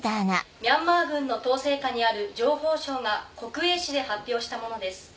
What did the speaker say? ミャンマー軍の統制下にある情報省が国営紙で発表したものです。